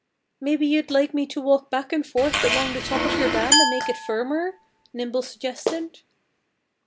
"Maybe you'd like me to walk back and forth along the top of your dam and make it firmer," Nimble suggested.